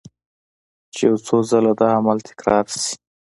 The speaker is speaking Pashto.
چې يو څو ځله دا عمل تکرار شي